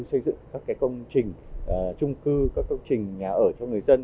xây dựng các công trình trung cư các công trình nhà ở cho người dân